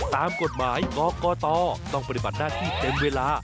ตามกฎหมายกรกตต้องปฏิบัติหน้าที่เต็มเวลา